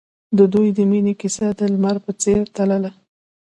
د دوی د مینې کیسه د لمر په څېر تلله.